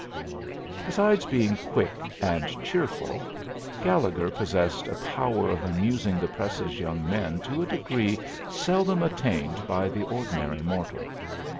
Besides being quick and cheerful, Gallegher possessed a power of amusing the Press's young men to a degree seldom attained by the ordinary mortal.